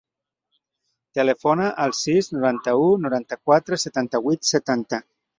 Telefona al sis, noranta-u, noranta-quatre, setanta-vuit, setanta.